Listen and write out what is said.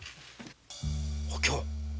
お京！